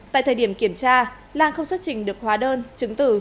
tại thời điểm kiểm tra lan không xuất trình được hóa đơn chứng tử